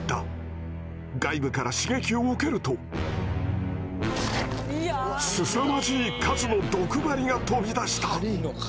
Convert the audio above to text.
外部から刺激を受けるとすさまじい数の毒針が飛び出した。